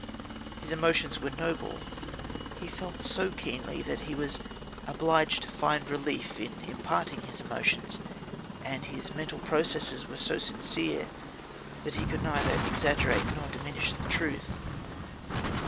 His emotions were noble. He felt so keenly that he was obliged to find relief in imparting his emotions. And his mental processes were so sincere that he could neither exaggerate nor diminish the truth.